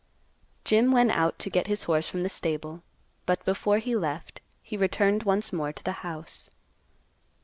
Jim went out to get his horse from the stable, but before he left, he returned once more to the house.